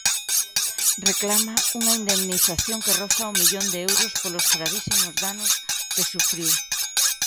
Reclama unha indemnización que roza o millón de euros polos gravísimos danos que sufriu.